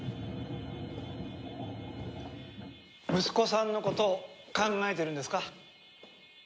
息子さんのことを考えてるんですか？